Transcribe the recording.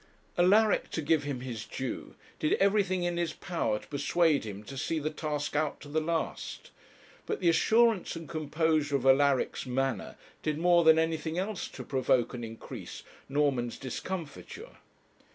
Alaric, to give him his due, did everything in his power to persuade him to see the task out to the last. But the assurance and composure of Alaric's manner did more than anything else to provoke and increase Norman's discomfiture.